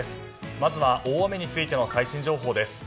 まずは大雨についての最新情報です。